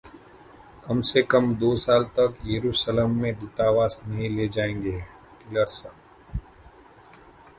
कम से कम दो साल तक तो येरूशलम में दूतावास नहीं ले जाएंगे: टिलरसन